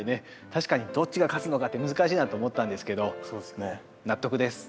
確かにどっちが勝つのかって難しいなと思ったんですけど納得です。